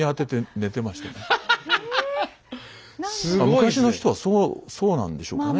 昔の人はそうなんでしょうかね。